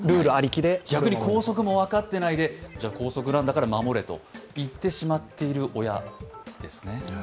逆に校則も分かってないでじゃあ校則なんだから守れと言ってしまっている親ですね。